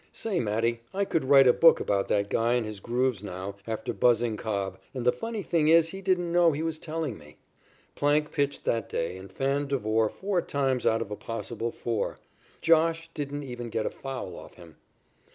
Say, Matty, I could write a book about that guy and his 'grooves' now, after buzzing Cobb, and the funny thing is he didn't know he was telling me." Plank pitched that day and fanned Devore four times out of a possible four. "Josh" didn't even get a foul off him.